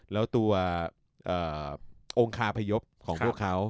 แล้วตัวองค์คาพยพของพวกเขา